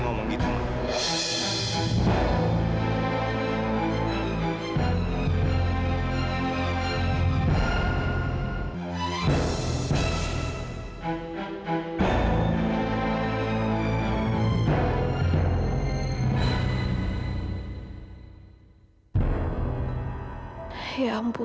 kamu mesti dengari mama